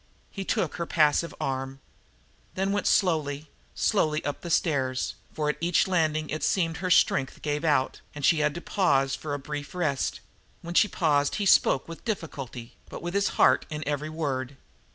He took her passive arm. They went slowly, slowly up the stairs, for at each landing it seemed her strength gave out, and she had to pause for a brief rest; when she paused he spoke with difficulty, but with his heart in every word.